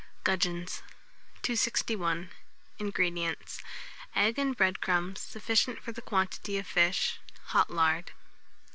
GUDGEONS. 261. INGREDIENTS. Egg and bread crumbs sufficient for the quantity of fish; hot lard.